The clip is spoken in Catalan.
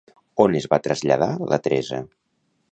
On es va traslladar la Teresa?